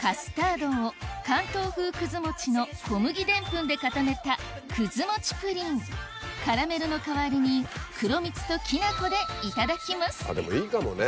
カスタードを関東風くず餅の小麦澱粉で固めたくず餅プリンカラメルの代わりに黒蜜ときな粉でいただきますでもいいかもね。